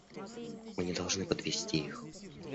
Мы не должны подвести их.